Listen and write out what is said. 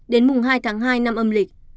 đến mùng hai tháng hai năm âm lịch